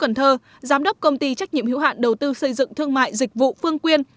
tại tp hcm giám đốc công ty trách nhiệm hiếu hạn đầu tư xây dựng thương mại dịch vụ phương quyên